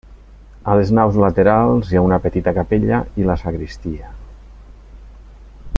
A les naus laterals hi ha una petita capella i la sagristia.